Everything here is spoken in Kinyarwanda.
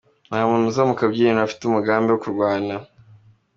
Ntamuntu uza mu kabyiniro afite umugambi wo kurwana.